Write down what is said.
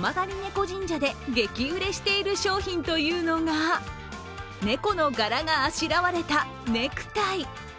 猫神社で激売れしている商品というのが猫の柄があしらわれたネクタイ。